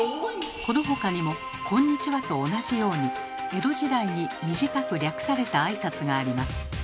この他にも「こんにちは」と同じように江戸時代に短く略された挨拶があります。